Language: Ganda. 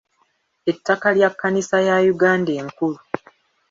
Ettaka lya Kkanisa ya Uganda enkulu.